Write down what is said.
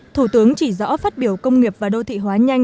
thủ tướng chỉ rõ phát biểu công nghiệp và đô thị hóa nhanh